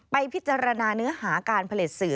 ไปพิจารณาเนื้อหาการผลิตสื่อ